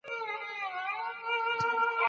په دواړو څېړنو کې ورته پایلې ولیدل شوې.